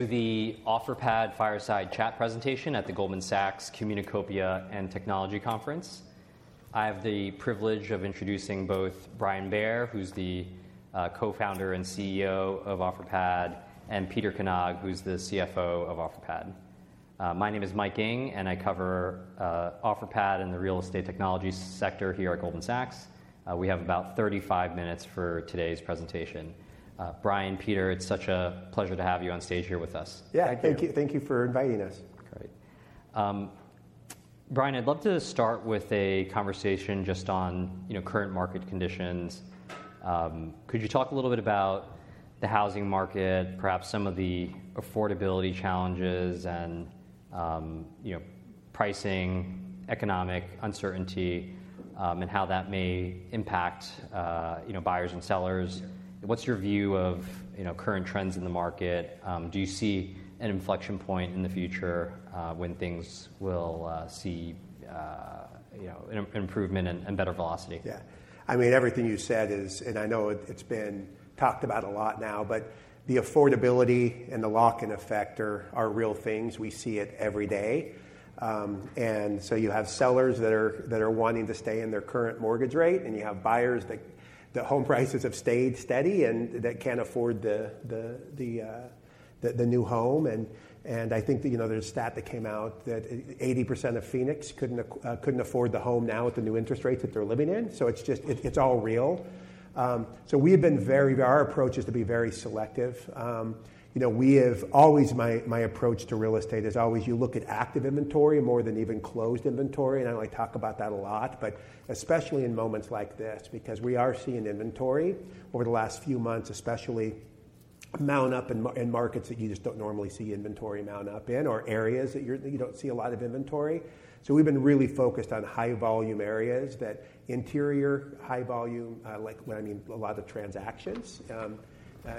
The Offerpad Fireside Chat presentation at the Goldman Sachs Communacopia + Technology Conference. I have the privilege of introducing both Brian Bair, who's the co-founder and CEO of Offerpad, and Peter Knag, who's the CFO of Offerpad. My name is Mike Ng, and I cover Offerpad and the real estate technology sector here at Goldman Sachs. We have about 35 minutes for today's presentation. Brian, Peter, it's such a pleasure to have you on stage here with us. Yeah, thank you for inviting us. Great. Brian, I'd love to start with a conversation just on current market conditions. Could you talk a little bit about the housing market, perhaps some of the affordability challenges and pricing, economic uncertainty, and how that may impact buyers and sellers? What's your view of current trends in the market? Do you see an inflection point in the future when things will see improvement and better velocity? Yeah. I mean, everything you said is, and I know it's been talked about a lot now, but the affordability and the lock-in effect are real things. We see it every day, and so you have sellers that are wanting to stay in their current mortgage rate, and you have buyers that home prices have stayed steady and that can't afford the new home, and I think there's a stat that came out that 80% of Phoenix couldn't afford the home now with the new interest rates that they're living in, so it's all real, so we have been very our approach is to be very selective. My approach to real estate is always you look at active inventory more than even closed inventory. I talk about that a lot, but especially in moments like this, because we are seeing inventory over the last few months, especially mount up in markets that you just don't normally see inventory mount up in or areas that you don't see a lot of inventory. We've been really focused on high-volume areas, that interior high-volume, like I mean, a lot of transactions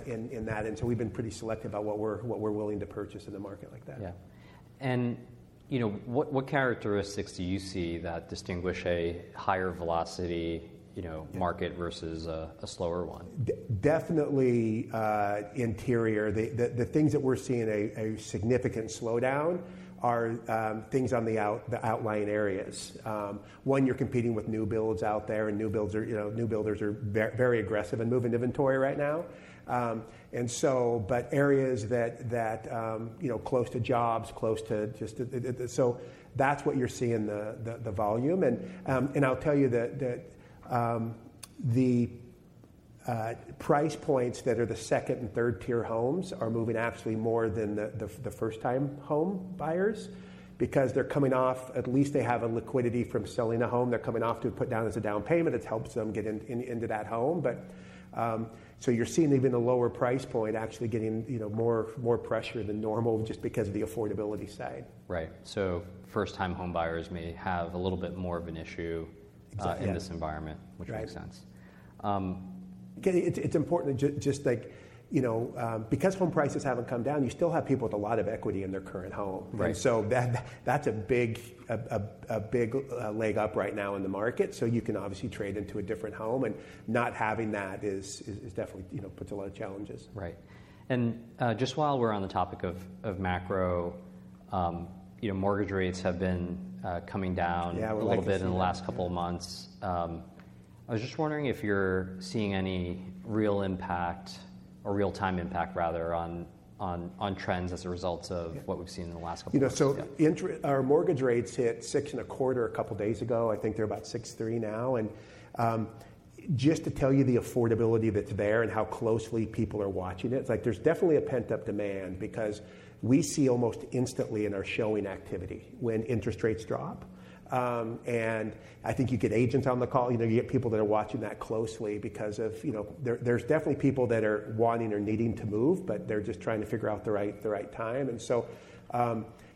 in that. We've been pretty selective about what we're willing to purchase in a market like that. Yeah, and what characteristics do you see that distinguish a higher-velocity market versus a slower one? Definitely interior. The things that we're seeing a significant slowdown are things on the outlying areas. One, you're competing with new builds out there, and new builders are very aggressive in moving inventory right now. But areas that are close to jobs, close to just so that's what you're seeing the volume. And I'll tell you that the price points that are the second and third-tier homes are moving actually more than the first-time home buyers because they're coming off, at least they have a liquidity from selling a home. They're coming off to put down as a down payment. It helps them get into that home. So you're seeing even a lower price point actually getting more pressure than normal just because of the affordability side. Right, so first-time home buyers may have a little bit more of an issue in this environment, which makes sense. It's important that just because home prices haven't come down, you still have people with a lot of equity in their current home. So that's a big leg up right now in the market. So you can obviously trade into a different home. And not having that definitely puts a lot of challenges. Right. And just while we're on the topic of macro, mortgage rates have been coming down a little bit in the last couple of months. I was just wondering if you're seeing any real impact or real-time impact, rather, on trends as a result of what we've seen in the last couple of months? So our mortgage rates hit 6.25% a couple of days ago. I think they're about 6.3% now. And just to tell you the affordability that's there and how closely people are watching it, there's definitely a pent-up demand because we see almost instantly in our showing activity when interest rates drop. And I think you get agents on the call. You get people that are watching that closely because there's definitely people that are wanting or needing to move, but they're just trying to figure out the right time. And so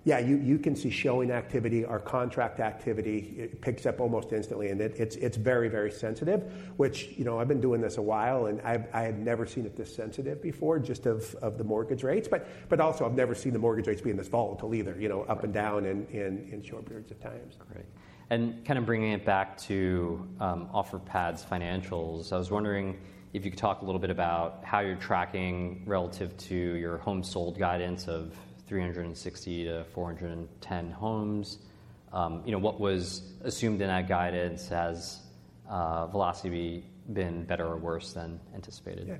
yeah, you can see showing activity or contract activity picks up almost instantly. And it's very, very sensitive, which I've been doing this a while, and I had never seen it this sensitive before just to the mortgage rates. But also, I've never seen the mortgage rates be this volatile either, up and down in short periods of time. Great. And kind of bringing it back to Offerpad's financials, I was wondering if you could talk a little bit about how you're tracking relative to your home sold guidance of 360-410 homes. What was assumed in that guidance? Has velocity been better or worse than anticipated? Yeah.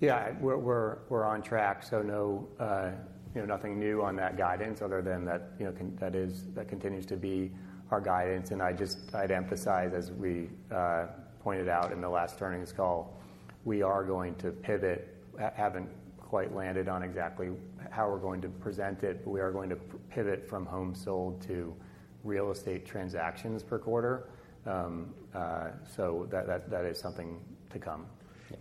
Yeah, we're on track. So nothing new on that guidance other than that continues to be our guidance, and I'd emphasize, as we pointed out in the last earnings call, we are going to pivot. Haven't quite landed on exactly how we're going to present it, but we are going to pivot from home sold to real estate transactions per quarter. So that is something to come,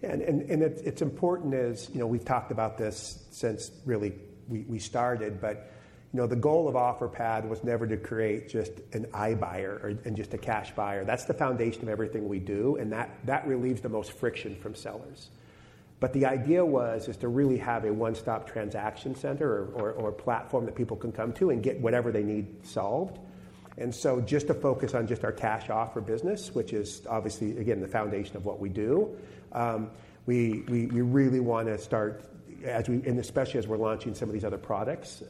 and it's important as we've talked about this since really we started, but the goal of Offerpad was never to create just an iBuyer and just a cash buyer. That's the foundation of everything we do, and that relieves the most friction from sellers, but the idea was to really have a one-stop transaction center or platform that people can come to and get whatever they need solved. And so just to focus on just our cash offer business, which is obviously, again, the foundation of what we do, we really want to start, especially as we're launching some of these other products,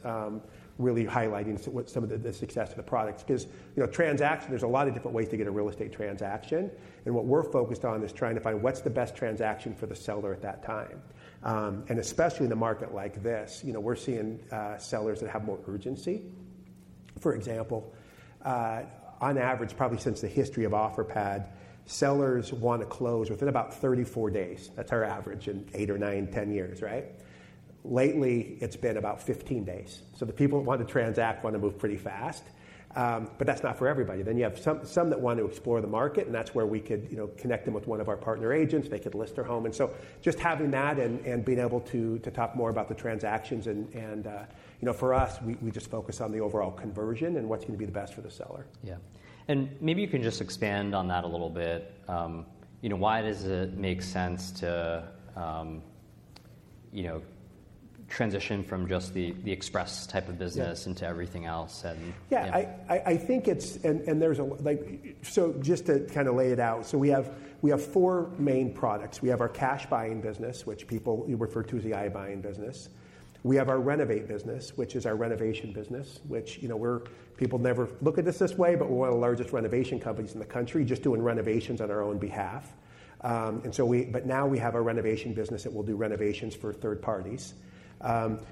really highlighting some of the success of the products. Because transaction, there's a lot of different ways to get a real estate transaction. And what we're focused on is trying to find what's the best transaction for the seller at that time. And especially in a market like this, we're seeing sellers that have more urgency. For example, on average, probably since the history of Offerpad, sellers want to close within about 34 days. That's our average in 8 or 9, 10 years, right? Lately, it's been about 15 days. So the people that want to transact want to move pretty fast. But that's not for everybody. Then you have some that want to explore the market, and that's where we could connect them with one of our partner agents. They could list their home. And so just having that and being able to talk more about the transactions. And for us, we just focus on the overall conversion and what's going to be the best for the seller. Yeah. And maybe you can just expand on that a little bit. Why does it make sense to transition from just the express type of business into everything else? Yeah. I think it's, and there's a, so just to kind of lay it out, so we have four main products. We have our cash buying business, which people refer to as the iBuying business. We have our renovate business, which is our renovation business, which people never look at us this way, but we're one of the largest renovation companies in the country just doing renovations on our own behalf. But now we have a renovation business that will do renovations for third parties.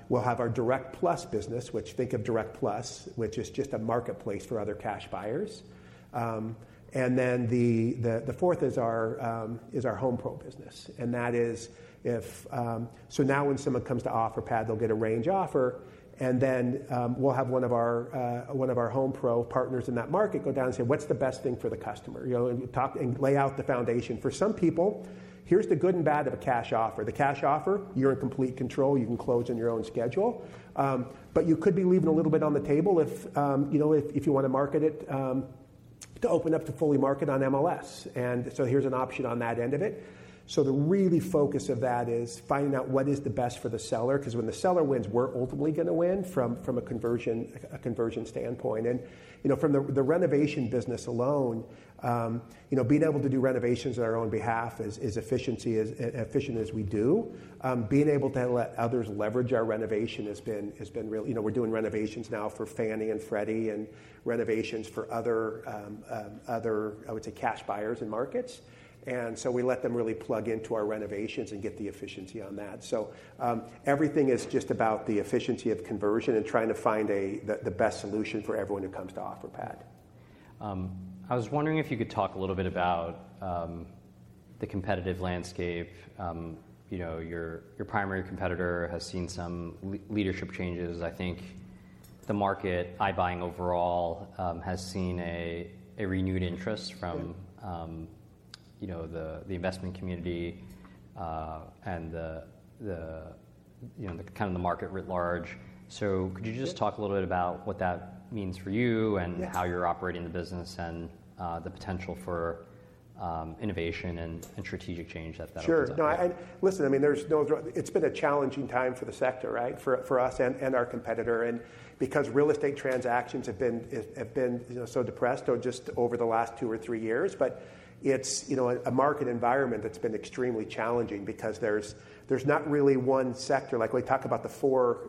We'll have our Direct+ business, which, think of Direct+, which is just a marketplace for other cash buyers. And then the fourth is our HomePro business. And that is if, so now when someone comes to Offerpad, they'll get a range offer. And then we'll have one of our HomePro partners in that market go down and say, what's the best thing for the customer? And lay out the foundation. For some people, here's the good and bad of a cash offer. The cash offer, you're in complete control. You can close on your own schedule. But you could be leaving a little bit on the table if you want to market it to open up to fully market on MLS. And so here's an option on that end of it. So the real focus of that is finding out what is the best for the seller. Because when the seller wins, we're ultimately going to win from a conversion standpoint. And from the renovation business alone, being able to do renovations on our own behalf is efficient as we do. Being able to let others leverage our renovation has been really, we're doing renovations now for Fannie and Freddie and renovations for other, I would say, cash buyers and markets, and so we let them really plug into our renovations and get the efficiency on that, so everything is just about the efficiency of conversion and trying to find the best solution for everyone who comes to Offerpad. I was wondering if you could talk a little bit about the competitive landscape. Your primary competitor has seen some leadership changes. I think the market, iBuying overall, has seen a renewed interest from the investment community and kind of the market writ large. So could you just talk a little bit about what that means for you and how you're operating the business and the potential for innovation and strategic change at that? Sure. No, listen, I mean, it's been a challenging time for the sector, right, for us and our competitor. And because real estate transactions have been so depressed just over the last two or three years, but it's a market environment that's been extremely challenging because there's not really one sector. Like we talk about the four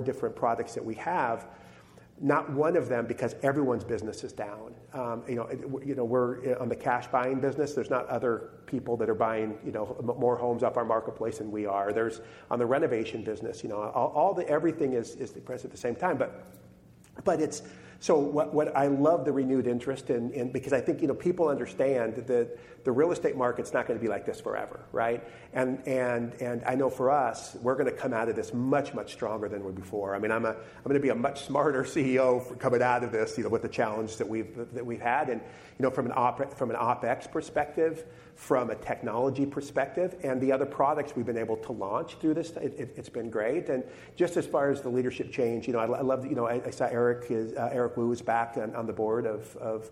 different products that we have, not one of them because everyone's business is down. We're on the cash buying business. There's not other people that are buying more homes up our marketplace than we are. There's on the renovation business. Everything is depressed at the same time. But it's, so what I love the renewed interest in, because I think people understand that the real estate market's not going to be like this forever, right? And I know for us, we're going to come out of this much, much stronger than we're before. I mean, I'm going to be a much smarter CEO coming out of this with the challenge that we've had, and from an OpEx perspective, from a technology perspective, and the other products we've been able to launch through this, it's been great, and just as far as the leadership change, I love that I saw Eric Wu is back on the board of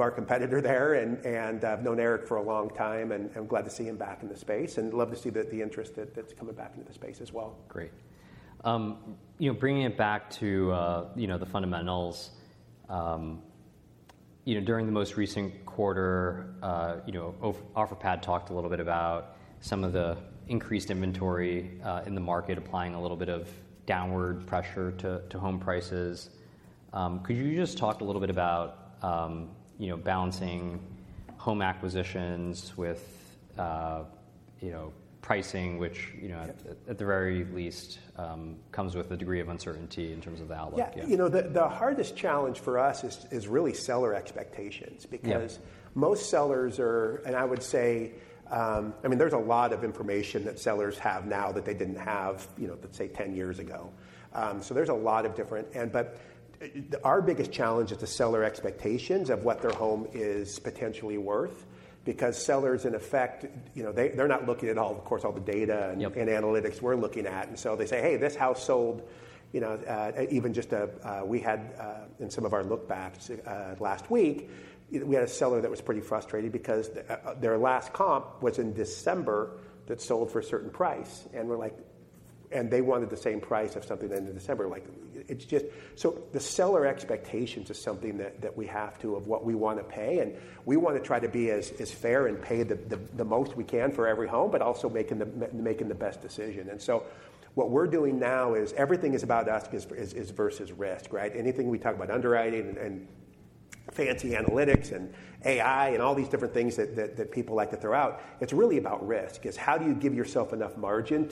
our competitor there, and I've known Eric for a long time, and I'm glad to see him back in the space, and I'd love to see the interest that's coming back into the space as well. Great. Bringing it back to the fundamentals, during the most recent quarter, Offerpad talked a little bit about some of the increased inventory in the market applying a little bit of downward pressure to home prices. Could you just talk a little bit about balancing home acquisitions with pricing, which at the very least comes with a degree of uncertainty in terms of the outlook? Yeah. The hardest challenge for us is really seller expectations because most sellers are, and I would say, I mean, there's a lot of information that sellers have now that they didn't have, let's say, 10 years ago. So there's a lot of different, but our biggest challenge is the seller expectations of what their home is potentially worth because sellers, in effect, they're not looking at all, of course, all the data and analytics we're looking at. And so they say, hey, this house sold, even just we had in some of our lookbacks last week, we had a seller that was pretty frustrated because their last comp was in December that sold for a certain price. And we're like, and they wanted the same price of something at the end of December. It's just, so the seller expectations is something that we have to have of what we want to pay. And we want to try to be as fair and pay the most we can for every home, but also making the best decision. And so what we're doing now is everything is about us versus risk, right? Anything we talk about underwriting and fancy analytics and AI and all these different things that people like to throw out, it's really about risk. It's how do you give yourself enough margin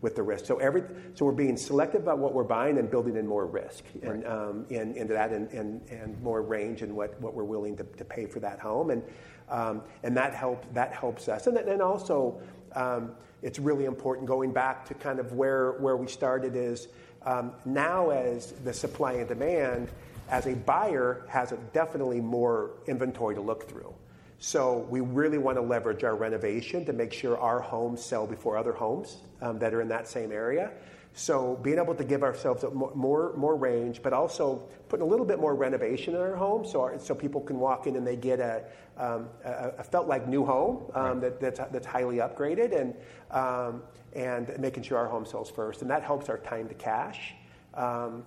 with the risk. So we're being selective about what we're buying and building in more risk into that and more range and what we're willing to pay for that home. And that helps us. And then also, it's really important going back to kind of where we started is now as the supply and demand, as a buyer has definitely more inventory to look through, so we really want to leverage our renovation to make sure our homes sell before other homes that are in that same area, so being able to give ourselves more range, but also putting a little bit more renovation in our home so people can walk in and they get a feel like new home that's highly upgraded and making sure our home sells first. And that helps our time to cash,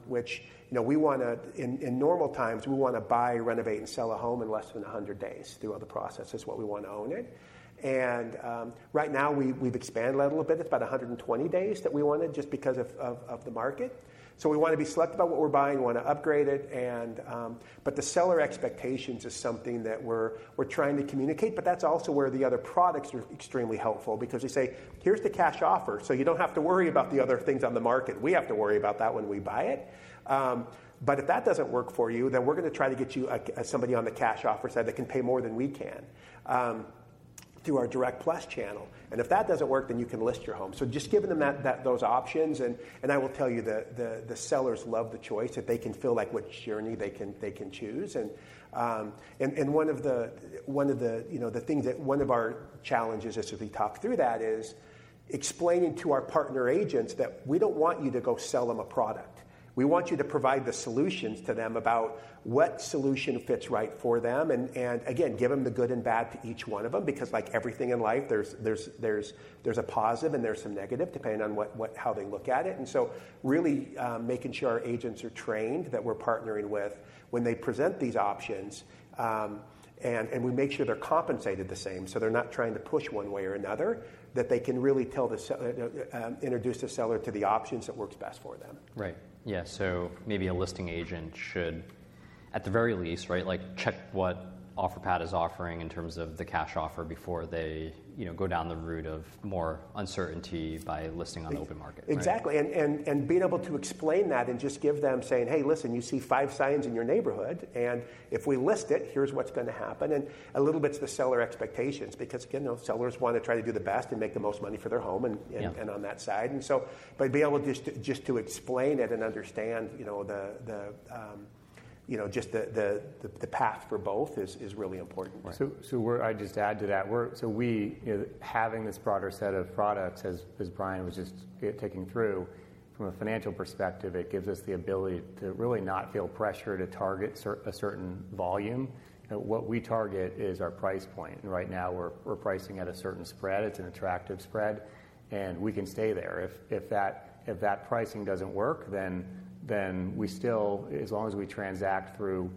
which we want to, in normal times, we want to buy, renovate, and sell a home in less than 100 days through all the processes while we want to own it, and right now, we've expanded a little bit. It's about 120 days that we wanted just because of the market. So we want to be selective about what we're buying. We want to upgrade it. But the seller expectations is something that we're trying to communicate. But that's also where the other products are extremely helpful because they say, here's the cash offer. So you don't have to worry about the other things on the market. We have to worry about that when we buy it. But if that doesn't work for you, then we're going to try to get you somebody on the cash offer side that can pay more than we can through our Direct+ channel. And if that doesn't work, then you can list your home. So just giving them those options. And I will tell you the sellers love the choice that they can feel like what journey they can choose. One of the things that one of our challenges as we talk through that is explaining to our partner agents that we don't want you to go sell them a product. We want you to provide the solutions to them about what solution fits right for them. And again, give them the good and bad to each one of them because like everything in life, there's a positive and there's some negative depending on how they look at it. And so really making sure our agents are trained that we're partnering with when they present these options. And we make sure they're compensated the same so they're not trying to push one way or another, that they can really introduce the seller to the options that work best for them. Right. Yeah. So maybe a listing agent should, at the very least, right, check what Offerpad is offering in terms of the cash offer before they go down the route of more uncertainty by listing on the open market. Exactly. And being able to explain that and just give them, saying, hey, listen, you see five signs in your neighborhood, and if we list it, here's what's going to happen. And a little bit to the seller expectations because again, sellers want to try to do the best and make the most money for their home and on that side. And so, but be able just to explain it and understand just the path for both is really important. So I'd just add to that. So having this broader set of products, as Brian was just walking through, from a financial perspective, it gives us the ability to really not feel pressure to target a certain volume. What we target is our price point. And right now, we're pricing at a certain spread. It's an attractive spread. And we can stay there. If that pricing doesn't work, then we still, as long as we transact through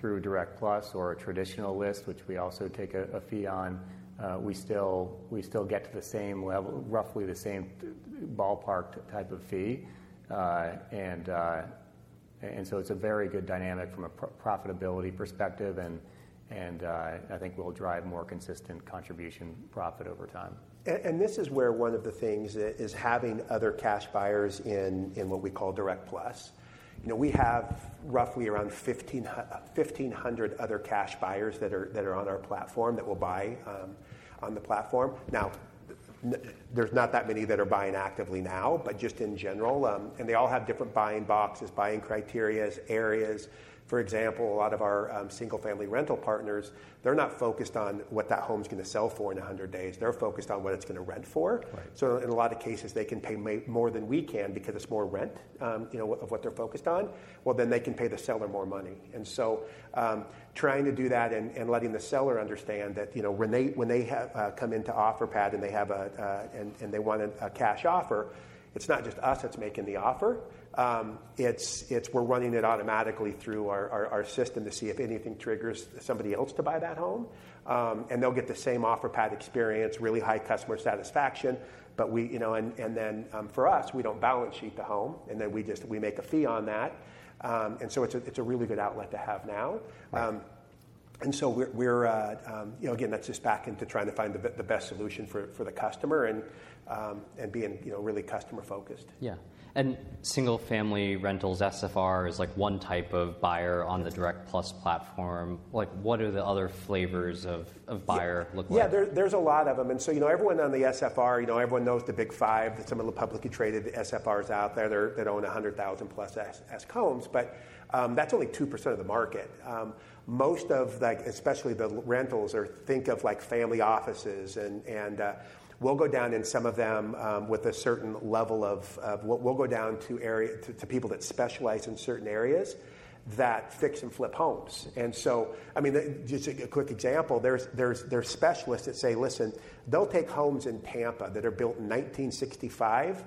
Direct+ or a traditional list, which we also take a fee on, we still get to the same level, roughly the same ballpark type of fee. And so it's a very good dynamic from a profitability perspective. And I think we'll drive more consistent contribution profit over time. This is where one of the things is having other cash buyers in what we call Direct+. We have roughly around 1,500 other cash buyers that are on our platform that will buy on the platform. Now, there's not that many that are buying actively now, but just in general. And they all have different buying boxes, buying criteria, areas. For example, a lot of our single-family rental partners, they're not focused on what that home is going to sell for in 100 days. They're focused on what it's going to rent for. So in a lot of cases, they can pay more than we can because it's more rent of what they're focused on. Well, then they can pay the seller more money. And so trying to do that and letting the seller understand that when they come into Offerpad and they want a cash offer, it's not just us that's making the offer. It's we're running it automatically through our system to see if anything triggers somebody else to buy that home. And they'll get the same Offerpad experience, really high customer satisfaction. And then for us, we don't balance sheet the home. And then we make a fee on that. And so it's a really good outlet to have now. And so we're, again, that's just back into trying to find the best solution for the customer and being really customer-focused. Yeah. And single-family rentals SFR is like one type of buyer on the Direct+ platform. What are the other flavors of buyer look like? Yeah, there's a lot of them. And so everyone in the SFR, everyone knows the big five, some of the publicly traded SFRs out there. They're owning 100,000+ SFR homes, but that's only 2% of the market. Most of them, especially the rentals, think of family offices. And we'll go down to people that specialize in certain areas that fix and flip homes. And so, I mean, just a quick example, there's specialists that say, listen, they'll take homes in Tampa that are built in 1965.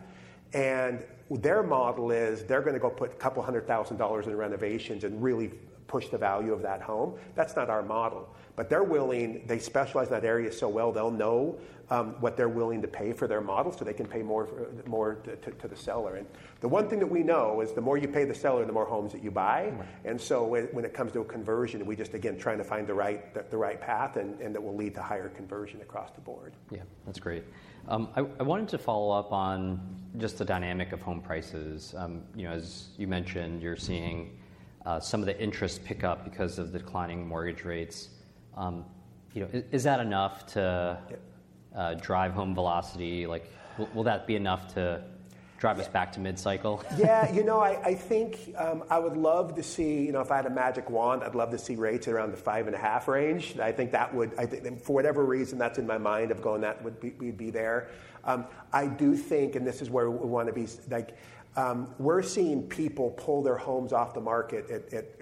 And their model is they're going to go put $200,000 in renovations and really push the value of that home. That's not our model. But they're willing. They specialize in that area so well they'll know what they're willing to pay for their model so they can pay more to the seller. And the one thing that we know is the more you pay the seller, the more homes that you buy. And so when it comes to a conversion, we just, again, trying to find the right path and that will lead to higher conversion across the board. Yeah. That's great. I wanted to follow up on just the dynamic of home prices. As you mentioned, you're seeing some of the interest pick up because of the declining mortgage rates. Is that enough to drive home velocity? Will that be enough to drive us back to mid-cycle? Yeah. You know, I think I would love to see, if I had a magic wand, I'd love to see rates around the 5.5 range. I think that would, for whatever reason that's in my mind of going, that would be there. I do think, and this is where we want to be, we're seeing people pull their homes off the market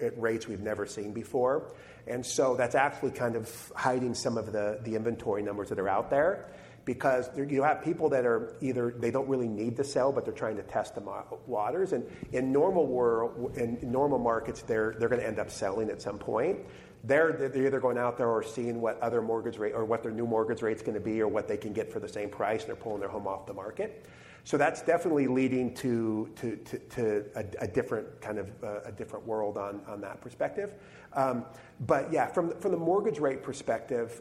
at rates we've never seen before, and so that's actually kind of hiding some of the inventory numbers that are out there because you have people that are either they don't really need to sell, but they're trying to test the waters, and in normal markets, they're going to end up selling at some point. They're either going out there or seeing what other mortgage rate or what their new mortgage rate's going to be or what they can get for the same price and they're pulling their home off the market. So that's definitely leading to a different kind of a different world on that perspective. But yeah, from the mortgage rate perspective,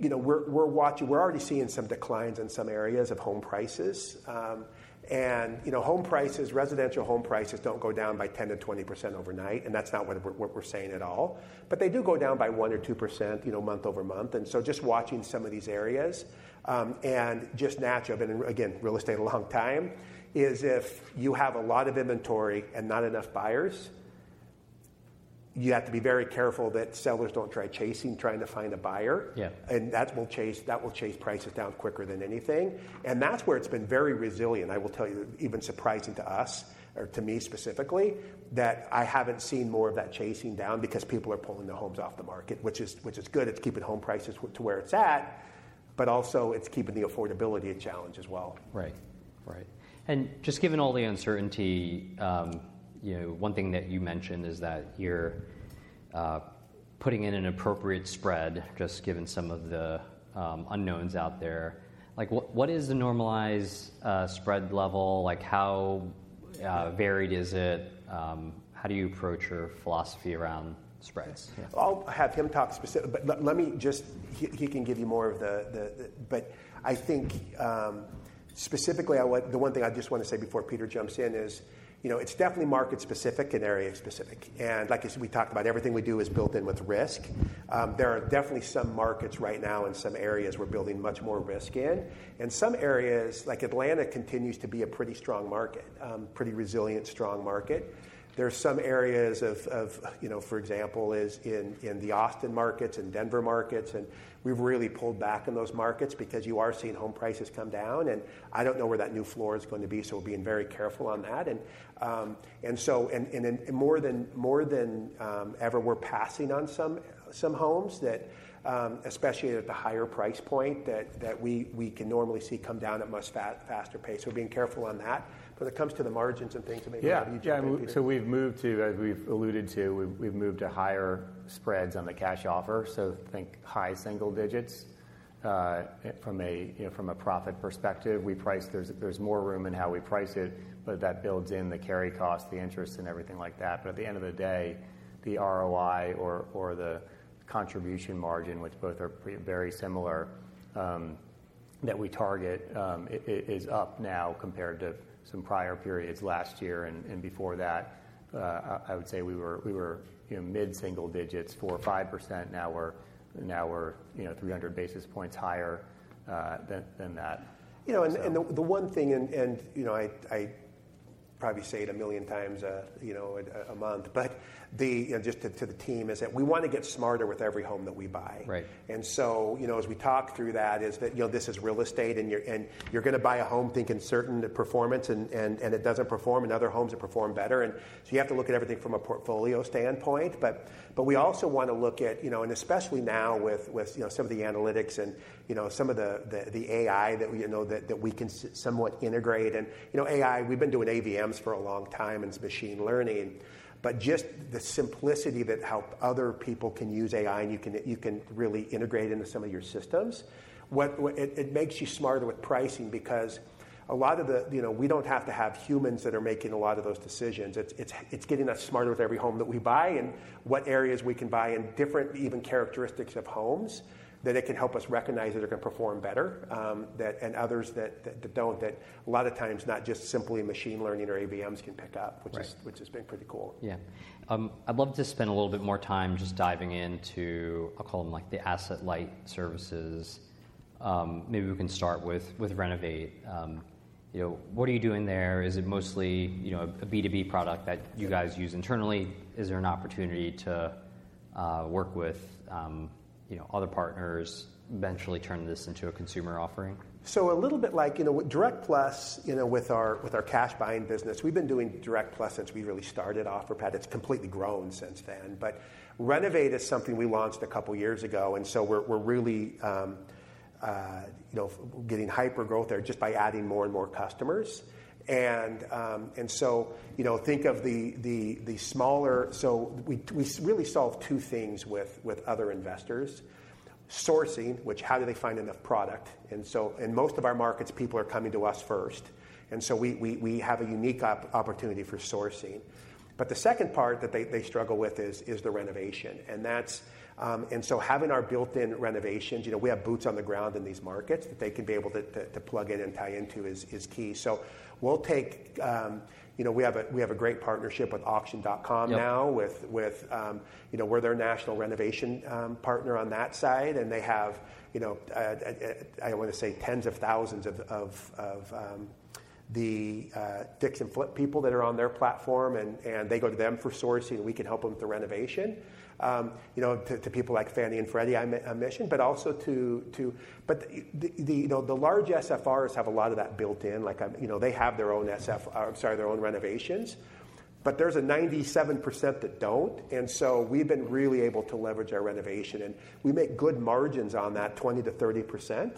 we're already seeing some declines in some areas of home prices. And home prices, residential home prices don't go down by 10%-20% overnight. And that's not what we're saying at all. But they do go down by 1% or 2% month-over-month. And so, just watching some of these areas and just naturally, I've been in real estate a long time. If you have a lot of inventory and not enough buyers, you have to be very careful that sellers don't try chasing, trying to find a buyer. That will chase prices down quicker than anything. That's where it's been very resilient. I will tell you, even surprising to us or to me specifically, that I haven't seen more of that chasing down because people are pulling the homes off the market, which is good. It's keeping home prices to where it's at, but also it's keeping the affordability a challenge as well. Right. And just given all the uncertainty, one thing that you mentioned is that you're putting in an appropriate spread, just given some of the unknowns out there. What is the normalized spread level? How varied is it? How do you approach your philosophy around spreads? I'll have him talk specifically, but I think specifically, the one thing I just want to say before Peter jumps in is it's definitely market specific and area specific. Like we talked about, everything we do is built in with risk. There are definitely some markets right now in some areas we're building much more risk in. Some areas, like Atlanta, continue to be a pretty strong market, pretty resilient, strong market. There's some areas, for example, in the Austin markets and Denver markets. We've really pulled back in those markets because you are seeing home prices come down. I don't know where that new floor is going to be. We're being very careful on that. And so, more than ever, we're passing on some homes that, especially at the higher price point that we can normally see come down at much faster pace. So we're being careful on that. But when it comes to the margins and things, I mean. Yeah. So we've moved to, as we've alluded to, we've moved to higher spreads on the cash offer. So think high single digits from a profit perspective. We price, there's more room in how we price it, but that builds in the carry cost, the interest, and everything like that. But at the end of the day, the ROI or the contribution margin, which both are very similar that we target is up now compared to some prior periods last year and before that. I would say we were mid-single digits, 4%, 5%. Now we're 300 basis points higher than that. You know, and the one thing, and I probably say it a million times a month, but just to the team is that we want to get smarter with every home that we buy. And so as we talk through that, is that this is real estate and you're going to buy a home thinking certain performance and it doesn't perform and other homes that perform better. And so you have to look at everything from a portfolio standpoint. But we also want to look at, and especially now with some of the analytics and some of the AI that we can somewhat integrate. And AI, we've been doing AVMs for a long time and machine learning, but just the simplicity that helps other people can use AI and you can really integrate into some of your systems. It makes you smarter with pricing because a lot of the, we don't have to have humans that are making a lot of those decisions. It's getting us smarter with every home that we buy and what areas we can buy and different even characteristics of homes that it can help us recognize that are going to perform better and others that don't, that a lot of times not just simply machine learning or AVMs can pick up, which has been pretty cool. Yeah. I'd love to spend a little bit more time just diving into, I'll call them like the asset light services. Maybe we can start with Renovate. What are you doing there? Is it mostly a B2B product that you guys use internally? Is there an opportunity to work with other partners, eventually turn this into a consumer offering? So, a little bit like Direct+ with our cash buying business. We've been doing Direct+ since we really started Offerpad. It's completely grown since then. But Renovate is something we launched a couple of years ago. And so we're really getting hyper growth there just by adding more and more customers. And so think of the smaller, so we really solve two things with other investors. Sourcing, which how do they find enough product? And so in most of our markets, people are coming to us first. And so we have a unique opportunity for sourcing. But the second part that they struggle with is the renovation. And so having our built-in renovations, we have boots on the ground in these markets that they can be able to plug in and tie into is key. We'll take. We have a great partnership with Auction.com now. We're their national renovation partner on that side. They have, I want to say, tens of thousands of the fix and flip people that are on their platform. They go to them for sourcing. We can help them with the renovation to people like Fannie and Freddie I mentioned, but the large SFRs have a lot of that built in. They have their own SFR. I'm sorry, their own renovations. There's a 97% that don't. We've been really able to leverage our renovation. We make good margins on that 20%-30%.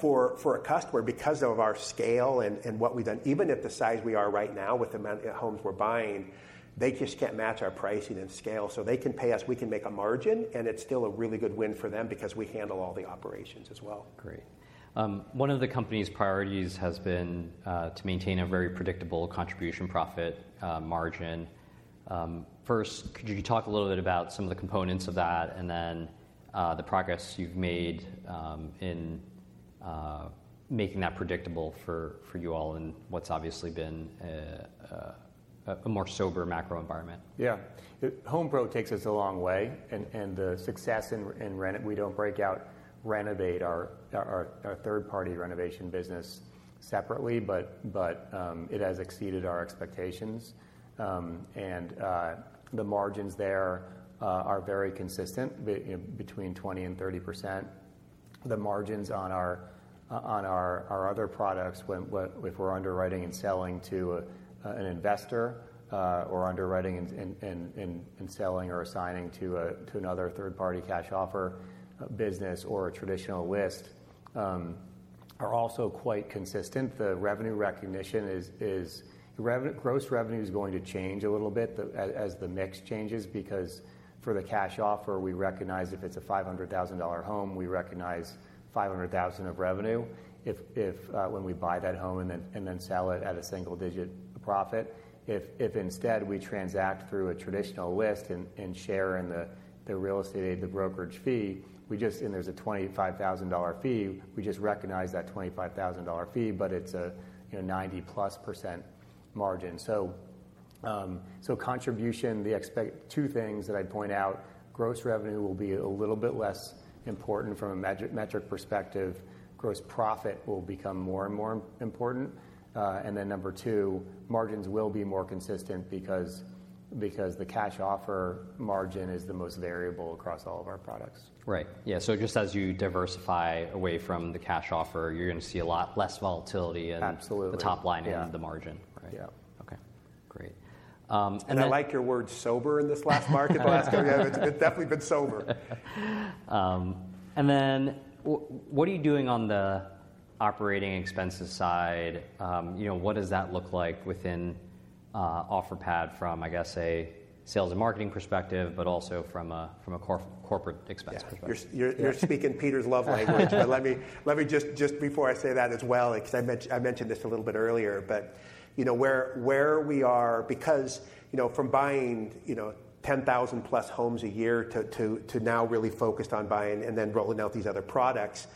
For a customer, because of our scale and what we've done, even at the size we are right now with the homes we're buying, they just can't match our pricing and scale. So they can pay us, we can make a margin. And it's still a really good win for them because we handle all the operations as well. Great. One of the company's priorities has been to maintain a very predictable contribution profit margin. First, could you talk a little bit about some of the components of that and then the progress you've made in making that predictable for you all and what's obviously been a more sober macro environment? Yeah. HomePro takes us a long way. And the success in, we don't break out Renovate our third-party renovation business separately, but it has exceeded our expectations. And the margins there are very consistent between 20%-30%. The margins on our other products, if we're underwriting and selling to an investor or underwriting and selling or assigning to another third-party cash offer business or a traditional list, are also quite consistent. The revenue recognition is gross revenue is going to change a little bit as the mix changes because for the cash offer, we recognize if it's a $500,000 home, we recognize $500,000 of revenue when we buy that home and then sell it at a single digit profit. If instead we transact through a traditional listing and share in the real estate agent brokerage fee, and there's a $25,000 fee, we just recognize that $25,000 fee, but it's a 90%+ margin. So contribution, the two things that I'd point out, gross revenue will be a little bit less important from a metric perspective. Gross profit will become more and more important, and then number two, margins will be more consistent because the cash offer margin is the most variable across all of our products. Right, yeah. So just as you diversify away from the cash offer, you're going to see a lot less volatility in the top line and the margin, right? Yeah. Okay, great. I like your word sober in this last market. It's definitely been sober. And then what are you doing on the operating expenses side? What does that look like within Offerpad from, I guess, a sales and marketing perspective, but also from a corporate expense perspective? Yeah. You're speaking Peter's love language. But let me just, before I say that as well, because I mentioned this a little bit earlier, but where we are, because from buying 10,000+ homes a year to now really focused on buying and then rolling out these other products,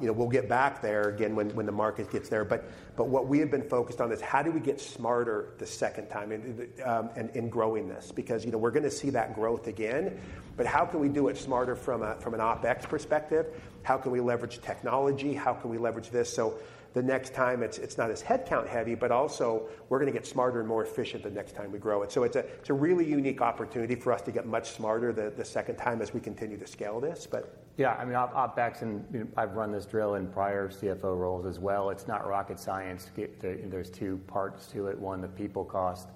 we'll get back there again when the market gets there. But what we have been focused on is how do we get smarter the second time in growing this? Because we're going to see that growth again. But how can we do it smarter from an OpEx perspective? How can we leverage technology? How can we leverage this? So the next time it's not as headcount heavy, but also we're going to get smarter and more efficient the next time we grow. And so it's a really unique opportunity for us to get much smarter the second time as we continue to scale this, but— Yeah, I mean, OpEx, and I've run this drill in prior CFO roles as well. It's not rocket science. There's two parts to it. One, the people cost,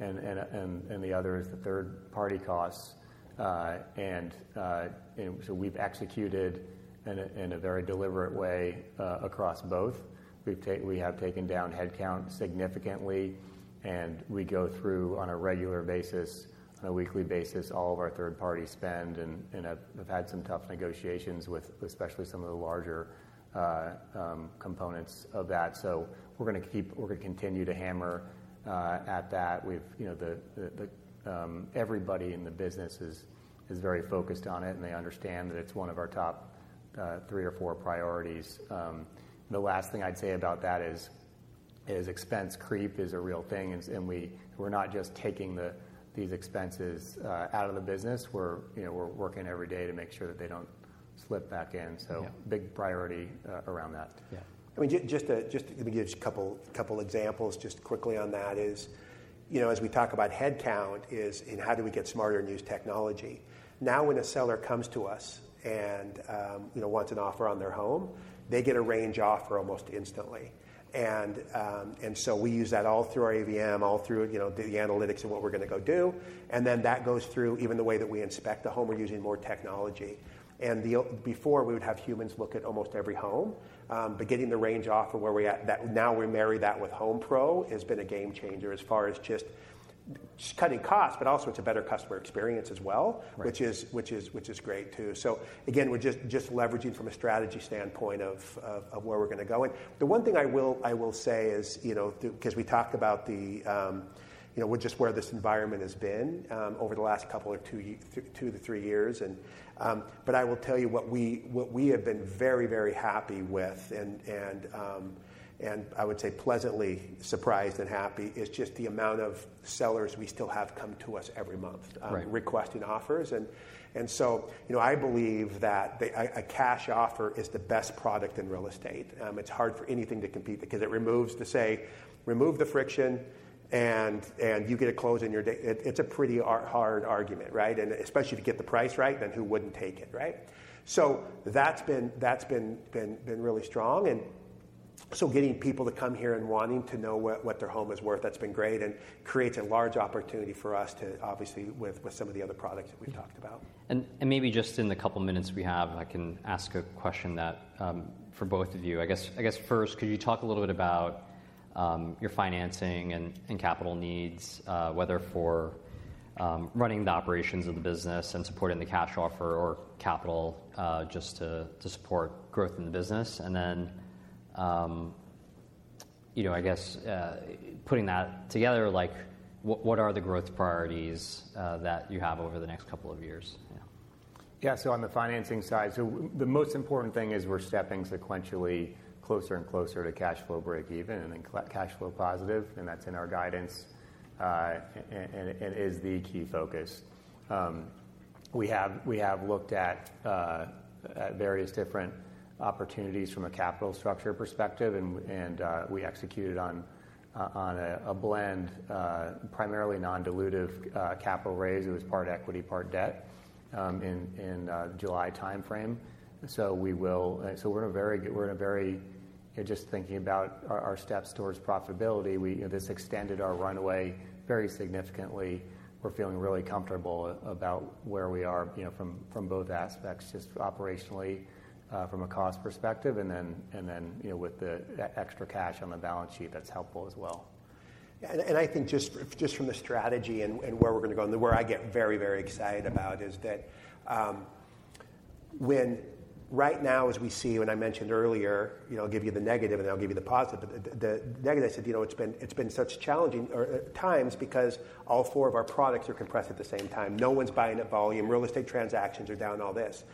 and the other is the third-party costs. And so we've executed in a very deliberate way across both. We have taken down headcount significantly. And we go through on a regular basis, on a weekly basis, all of our third-party spend. And I've had some tough negotiations with especially some of the larger components of that. So we're going to continue to hammer at that. Everybody in the business is very focused on it. And they understand that it's one of our top three or four priorities. The last thing I'd say about that is expense creep is a real thing. And we're not just taking these expenses out of the business. We're working every day to make sure that they don't slip back in, so big priority around that. Yeah. I mean, just to give a couple of examples just quickly on that, as we talk about headcount, as in how do we get smarter and use technology. Now when a seller comes to us and wants an offer on their home, they get a range offer almost instantly. And so we use that all through our AVM, all through the analytics of what we're going to go do. And then that goes through even the way that we inspect the home. We're using more technology. And before we would have humans look at almost every home, but getting the range offer where we're at, now we marry that with HomePro has been a game changer as far as just cutting costs, but also it's a better customer experience as well, which is great too. Again, we're just leveraging from a strategy standpoint of where we're going to go. The one thing I will say is because we talked about just where this environment has been over the last two to three years. But I will tell you what we have been very, very happy with and I would say pleasantly surprised and happy is just the amount of sellers we still have come to us every month requesting offers. So I believe that a cash offer is the best product in real estate. It's hard for anything to compete because it removes the friction and you get to close in 30 days. It's a pretty hard argument, right? And especially if you get the price right, then who wouldn't take it, right? So that's been really strong. And so, getting people to come here and wanting to know what their home is worth, that's been great and creates a large opportunity for us to obviously with some of the other products that we've talked about. Maybe just in the couple of minutes we have, I can ask a question for both of you. I guess first, could you talk a little bit about your financing and capital needs, whether for running the operations of the business and supporting the cash offer or capital just to support growth in the business? And then I guess putting that together, what are the growth priorities that you have over the next couple of years? Yeah. So on the financing side, the most important thing is we're stepping sequentially closer and closer to cash flow break even and then cash flow positive. And that's in our guidance and is the key focus. We have looked at various different opportunities from a capital structure perspective. And we executed on a blend, primarily non-dilutive capital raise. It was part equity, part debt in July timeframe. So we're in a very, just thinking about our steps towards profitability, this extended our runway very significantly. We're feeling really comfortable about where we are from both aspects, just operationally from a cost perspective. And then with the extra cash on the balance sheet, that's helpful as well. And I think just from the strategy and where we're going to go, and where I get very, very excited about is that when right now, as we see, when I mentioned earlier, I'll give you the negative and I'll give you the positive. But the negative, I said, it's been such challenging times because all four of our products are compressed at the same time. No one's buying at volume. Real estate transactions are down all this.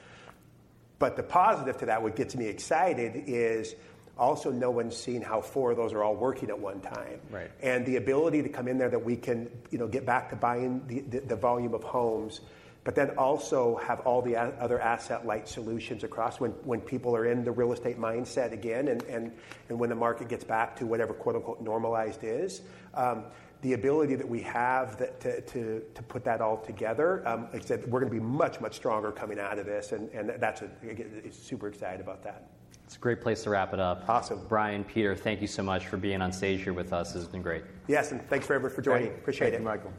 But the positive to that, what gets me excited is also no one's seen how four of those are all working at one time. And the ability to come in there that we can get back to buying the volume of homes, but then also have all the other asset light solutions across when people are in the real estate mindset again and when the market gets back to whatever "normalized" is, the ability that we have to put that all together, like I said, we're going to be much, much stronger coming out of this. And I'm super excited about that. It's a great place to wrap it up. Awesome. Brian and Peter, thank you so much for being on stage here with us. This has been great. Yes, and thanks for everyone for joining. Appreciate it. Thank you.